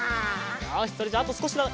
よしそれじゃああとすこしだ。